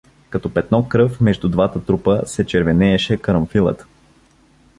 Като петно кръв между двата трупа се червенееше карамфилът.